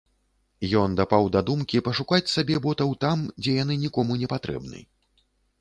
Ён дапаў да думкі пашукаць сабе ботаў там, дзе яны нікому не патрэбны.